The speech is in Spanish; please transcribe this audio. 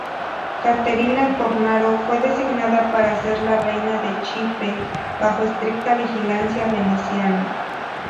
Caterina Cornaro, fue designada para ser la reina de Chipre, bajo estricta vigilancia veneciana.